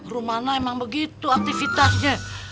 rumana emang begitu aktivitasnya